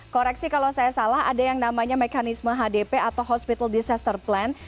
koreksi kalau saya salah ada yang namanya mekanisme hdp atau hospital disaster plan